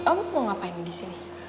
om mau ngapain disini